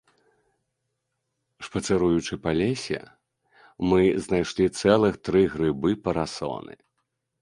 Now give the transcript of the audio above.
Шпацыруючы па лесе, мы знайшлі цэлых тры грыбы-парасоны!